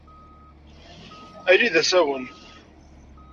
Ali d asawen.